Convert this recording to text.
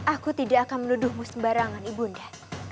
aku tidak akan menuduhmu sembarangan ibunda